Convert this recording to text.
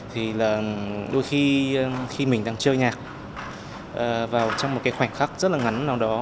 thì là đôi khi khi mình đang chơi nhạc vào trong một cái khoảnh khắc rất là ngắn nào đó